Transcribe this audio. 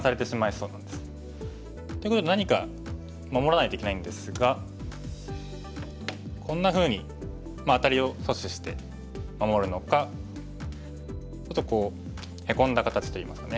ということで何か守らないといけないんですがこんなふうにアタリを阻止して守るのかちょっとこうヘコんだ形といいますか。